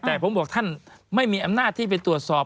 แต่ผมบอกท่านไม่มีอำนาจที่ไปตรวจสอบ